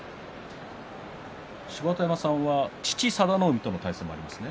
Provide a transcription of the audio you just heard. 芝田山さんは父の佐田の海との対戦がありますね。